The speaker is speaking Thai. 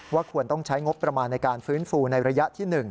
ควรต้องใช้งบประมาณในการฟื้นฟูในระยะที่๑